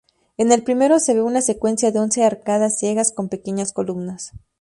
En el primero se ve una secuencia de once arcadas ciegas con pequeñas columnas.